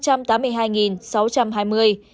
hà nội một năm trăm tám mươi hai sáu trăm hai mươi